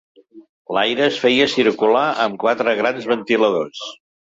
L'aire es feia circular amb quatre grans ventiladors.